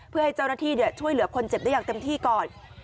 เพื่อให้เจ้าหน้าที่ช่วยเหลือคนเจ็บได้อย่างเต็มที่ก่อน